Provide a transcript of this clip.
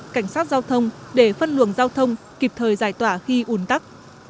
cảnh sát giao thông để phân luồng giao thông kịp thời giải tỏa khi ủn tắc